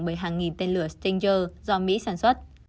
bởi hàng nghìn tên lửa stinger do mỹ sản xuất